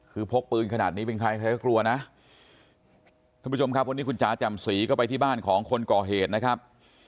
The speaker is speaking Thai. คือพกปืนขนาดนี้เป็นใครใครก็กลัวนะท่านผู้ชมครับวันนี้คุณจ๋าแจ่มสีก็ไปที่บ้านของคนก่อเหตุนะครับ